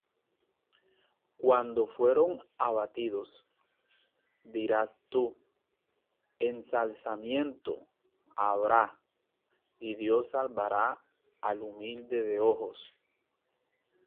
Cuando fueren abatidos, dirás tú: Ensalzamiento habrá: Y Dios salvará al humilde de ojos.